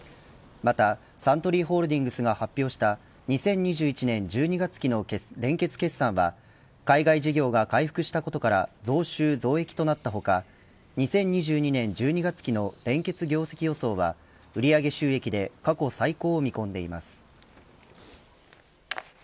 またサントリーホールディングスが発表した２０２１年１２月期の連結決算は海外事業が回復したことから増収増益となった他２０２２年１２月期の連結業績予想は売上収益で過去最高を見込んでいます。